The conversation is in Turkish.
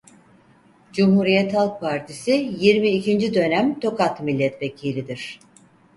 Cumhuriyet Halk Partisi yirmi ikinci dönem Tokat milletvekilidir.